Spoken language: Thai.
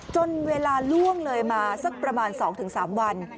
จนเวลาล่วงเลยมาสักประมาณ๒๓วัน